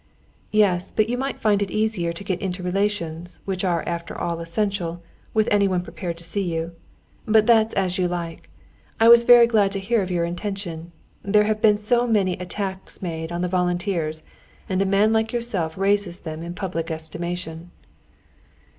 "Yes; but you might find it easier to get into relations, which are after all essential, with anyone prepared to see you. But that's as you like. I was very glad to hear of your intention. There have been so many attacks made on the volunteers, and a man like you raises them in public estimation."